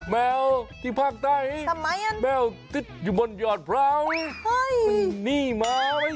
แมวที่ภาคใต้นี่แมวติ๊ดอยู่บนยอดพร้าวนี่นี่มั๊ย